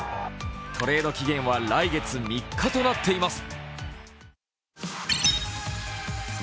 トレード期限は来月３日となっています。